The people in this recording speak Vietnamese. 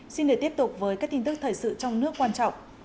xin để tiếp tục với các tin tức thời sự trong nước quan trọng